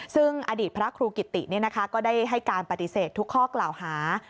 ซึ่งอดีตพระครูกิติก็ได้ให้การปฏิเสธทุกข้อกล่าวหา